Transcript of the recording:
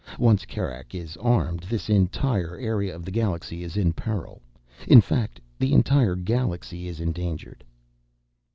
Once Kerak is armed, this entire area of the galaxy is in peril. In fact, the entire galaxy is endangered."